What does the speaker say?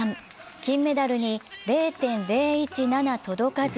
金メダルには０．０１７届かず。